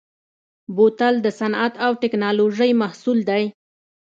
بوتل د صنعت او تکنالوژۍ محصول دی.